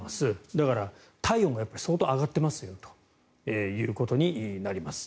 だから体温が相当上がってますよということになります。